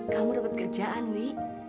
kamu dapat kerjaan wi